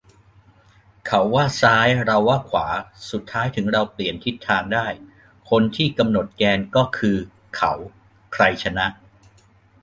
เขาว่าซ้าย เราว่าขวา สุดท้ายถึงเราเปลี่ยนทิศทางได้ คนที่กำหนดแกนก็คือเขา ใครชนะ ?